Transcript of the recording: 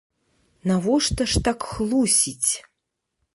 Навошта ж так хлусіць?